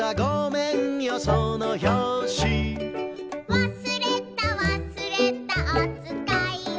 「わすれたわすれたおつかいを」